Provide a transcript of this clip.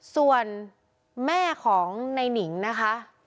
ส่วนแม่ของในหนิงนะคะ